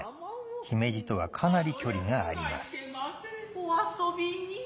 お遊びに。